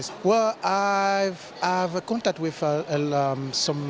saya telah berhubungan dengan banyak sme